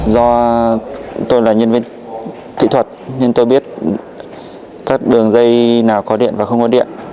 do tôi là nhân viên kỹ thuật nên tôi biết các đường dây nào có điện và không có điện